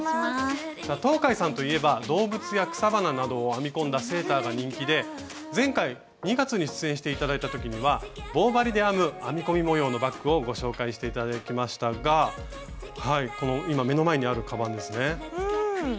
東海さんといえば動物や草花などを編み込んだセーターが人気で前回２月に出演して頂いた時には棒針で編む編み込み模様のバッグをご紹介して頂きましたがこの今目の前にあるカバンですね。